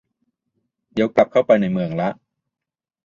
เดี๋ยวกลับเข้าไปในเมืองละ